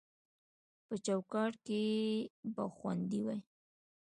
په چوکاټ کې به خوندي وي